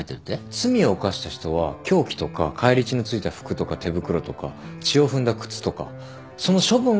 罪を犯した人は凶器とか返り血のついた服とか手袋とか血を踏んだ靴とかその処分が厄介なわけです。